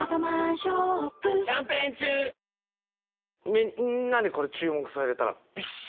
みんなに注目されたら。